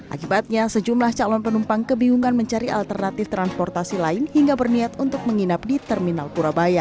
akibatnya sejumlah calon penumpang kebingungan mencari alternatif transportasi lain hingga berniat untuk menginap di terminal purabaya